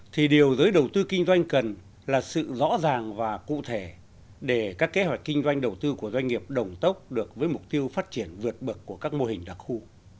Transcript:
thì điều giới đầu tư kinh doanh cần là sự rõ ràng và cụ thể để các kế hoạch kinh doanh đầu tư của doanh nghiệp đồng tốc được với mục tiêu phát triển vượt bậc của các mô hình đặc khu